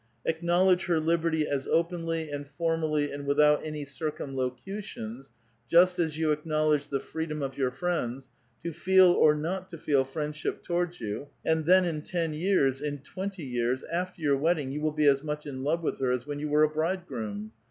Acknowledge her libert3' as openly and formally and without any circumlocutions, just as you acknowledge the freedom of your friends, to feel or not to feel friendship towards you, and then in ten years, in twenty years, after your wedding, you will be as much in love with her as wheu you were a bridegroom.